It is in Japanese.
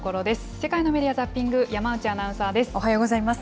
世界のメディア・ザッピング、山内アナウンサーです。